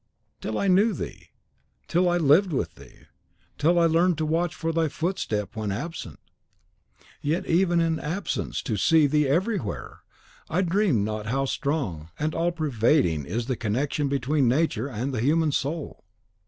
Till I knew thee, till I lived with thee; till I learned to watch for thy footstep when absent: yet even in absence to see thee everywhere! I dreamed not how strong and all pervading is the connection between nature and the human soul!...